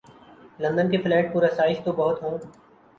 London کے flat پر آسائش تو بہت ہوں۔